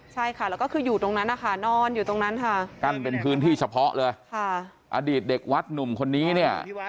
ใช่ค่ะแล้วก็คืออยู่ตรงนั้นค่ะนอนอยู่ตรงนั้นค่ะ